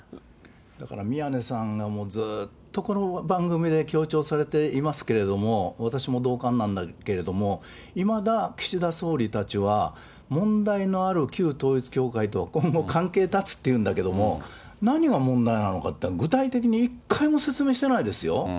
だから、宮根さんがずっとこの番組で強調されていますけれども、私も同感なんだけれども、いまだ岸田総理たちは問題のある旧統一教会とは今後、関係断つって言うんだけれども、何が問題なのかというのは、具体的に一回も説明してないですよ。